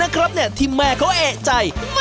ออกมาคนนู้นดูน้ำ